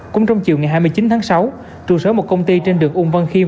cũng trong chiều ngày hai mươi chín tháng sáu trụ sở một công ty trên đường ung văn khiêm